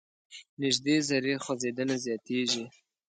نژدې ذرې خوځیدنه زیاتیږي.